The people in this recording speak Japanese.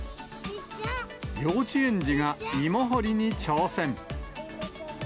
幼稚園児が芋掘りに挑戦。